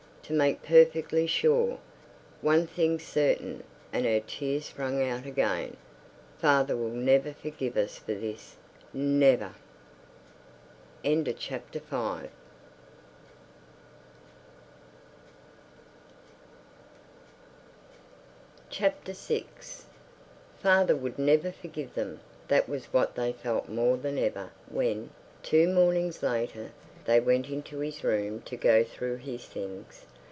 To make perfectly sure. One thing's certain"—and her tears sprang out again—"father will never forgive us for this—never!" VI Father would never forgive them. That was what they felt more than ever when, two mornings later, they went into his room to go through his things.